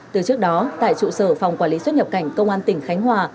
từ trước đó tại trụ sở phòng quản lý xuất nhập cảnh công an tỉnh khánh hòa